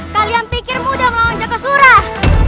kalian pikir mudah melawan jaga surah